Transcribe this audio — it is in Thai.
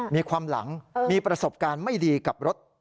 มีความหลังมีประสบการณ์ไม่ดีกับรถ